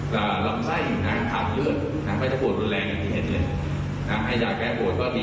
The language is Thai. ทางโรงพยาบาลนี้ไม่ได้ดินกล่องใจนะครับ